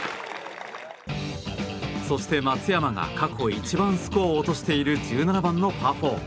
そして、松山が過去一番スコアを落としている１７番のパー４。